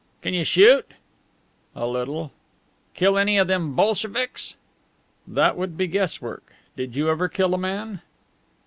"Can you shoot?" "A little." "Kill any o' them Bolsheviks?" "That would be guesswork. Did you ever kill a man?"